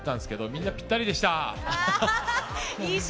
みんなぴったりでした。